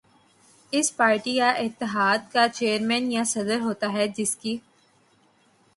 اس party یا اتحاد کا چیئرمین یا صدر ہوتا ہے جس کی